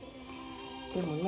でもね